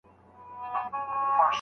تېر وخت د درس لپاره دی.